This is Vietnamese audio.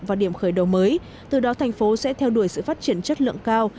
và điểm khởi đầu mới từ đó thành phố sẽ theo đuổi sự phát triển chất lượng cao